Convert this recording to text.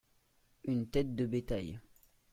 Une tête de bétail.